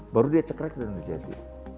baru dia cekrek dan terjadi